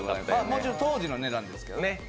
もちろん、当時の値段ですけどね。